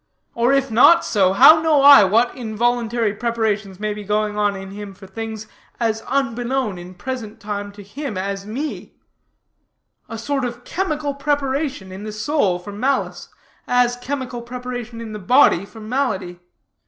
Or if not so, how know I what involuntary preparations may be going on in him for things as unbeknown in present time to him as me a sort of chemical preparation in the soul for malice, as chemical preparation in the body for malady.'